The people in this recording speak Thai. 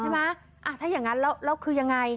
ถ้าอย่างงั้นแล้วคือยังงั้ย